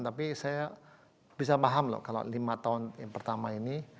tapi saya bisa paham loh kalau lima tahun yang pertama ini